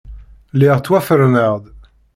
Lliɣ ttwaferneɣ-d.